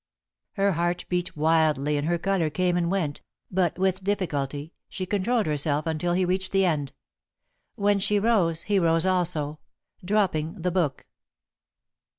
Her heart beat wildly and her colour came and went, but, with difficulty, she controlled herself until he reached the end. When she rose, he rose also, dropping the book.